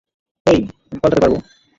হেই, আমি পাল্টাতে পারব।